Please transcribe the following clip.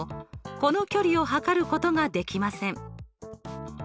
この距離を測ることができません。